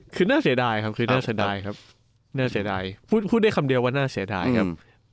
คือน่าเสียดายครับคือน่าเสียดายครับน่าเสียดายพูดได้คำเดียวว่าน่าเสียดายครับ